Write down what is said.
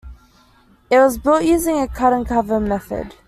It was built using a cut-and cover method.